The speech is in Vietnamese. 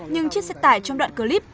nhưng chiếc xe tải trong đoạn clip